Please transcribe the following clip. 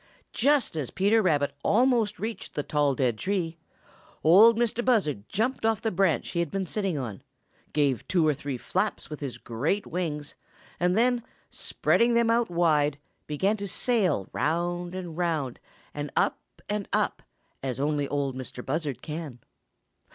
Just as Peter Rabbit almost reached the tall dead tree, Ol' Mistah Buzzard jumped off the branch he had been sitting on, gave two or three flaps with his great wings, and then, spreading them out wide, began to sail round and round and up and up, as only Ol' Mistah Buzzard can.